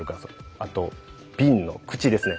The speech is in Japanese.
あと瓶の口ですね。